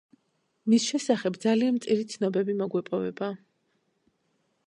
მის შესახებ ძალიან მწირი ცნობები მოგვეპოვება.